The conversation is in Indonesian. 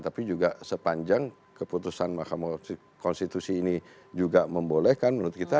tapi juga sepanjang keputusan mahkamah konstitusi ini juga membolehkan menurut kita